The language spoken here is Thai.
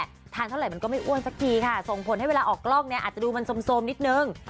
เอ็ดนั่นแหละทันเท่าไหหร่มันก็ไม่อ้วนสักทีค่ะส่งผลให้เวลาออกกล้องเนี่ยอาจจะมันโทรมนิดนึง